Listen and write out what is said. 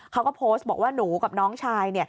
เขาก็โพสต์บอกว่าหนูกับน้องชาย